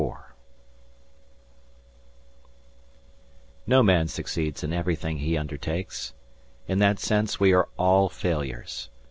IV No man succeeds in everything he undertakes. In that sense we are all failures.